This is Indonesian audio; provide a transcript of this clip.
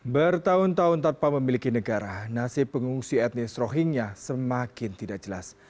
bertahun tahun tanpa memiliki negara nasib pengungsi etnis rohingya semakin tidak jelas